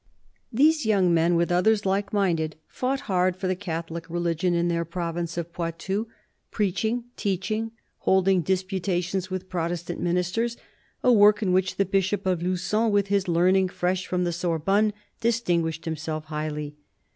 These young men, with others like minded, fought hard for the Catholic religion in their province of Poitou ; preaching, teaching, holding disputations with Protestant ministers— a work in which the Bishop of Lugon, with his learning fresh from the Sorbonne, distinguished himself highly.